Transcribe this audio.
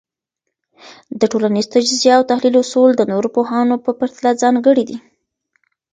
د ټولنيز تجزیه او تحلیل اصول د نورو پوهانو په پرتله ځانګړي دي.